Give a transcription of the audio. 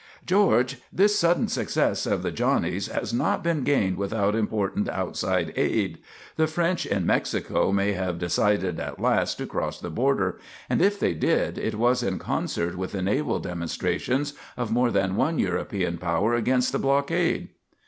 "George, this sudden success of the Johnnies has not been gained without important outside aid. The French in Mexico may have decided at last to cross the border, and if they did it was in concert with the naval demonstrations of more than one European power against the blockade."